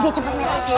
udah cepet mehmet